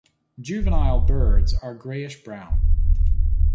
Juvenile birds are greyish brown.